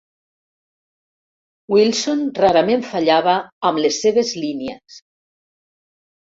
Wilson rarament fallava amb les seves línies.